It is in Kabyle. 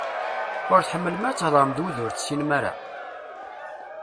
Ur tḥemmlem ara ad theḍṛem d wid ur tessinem ara?